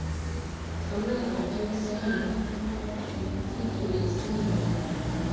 曾任海军西营基地司令员。